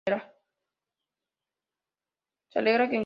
Se alega que incluso cogió a su propia madre como prisionera.